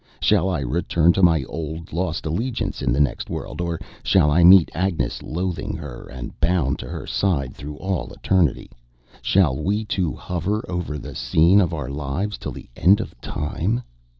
Shall I return to my old lost allegiance in the next world, or shall I meet Agnes loathing her and bound to her side through all eternity? Shall we two hover over the scene of our lives till the end of Time?